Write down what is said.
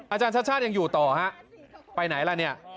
อาจารย์ชาติชาติยังอยู่ต่อฮะไปไหนล่ะเนี่ย